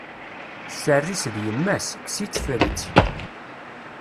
Sser-is d yemma-s, kkes-itt, ffer-itt!